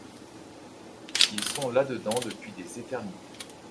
ils sont là-dedans depuis des éternités.